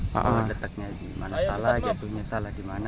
meneteknya di mana salah jatuhnya salah di mana